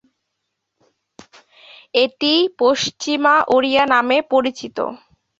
এটি পশ্চিমা ওড়িয়া নামে পরিচিত।